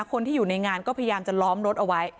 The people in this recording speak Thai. คนที่อยู่ในงานก็พยายามจะล้อมรถเอาไว้